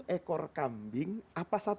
tujuh ekor dagingnya itu yang paling banyak